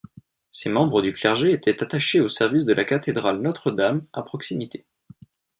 Ces membres du clergé étaient attachés au service de la cathédrale Notre-Dame à proximité.